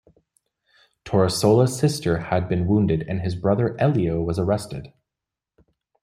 Torresola's sister had been wounded and his brother Elio was arrested.